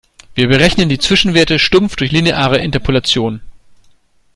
Wir berechnen die Zwischenwerte stumpf durch lineare Interpolation.